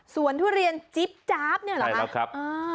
สวนทุเรียนจิ๊บจาบเนี่ยเหรอคะใช่แล้วครับ